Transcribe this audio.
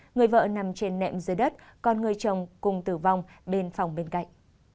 người vợ nằm trên nệm dưới đất còn người chồng cùng tử vong bên phòng bên cạnh